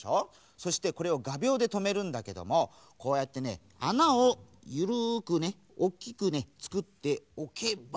そしてこれをがびょうでとめるんだけどもこうやってねあなをゆるくねおっきくねつくっておけば。